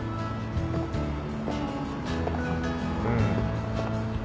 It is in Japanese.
うん。